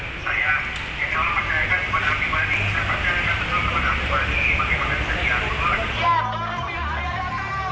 bagaimana saya bisa berterima kasih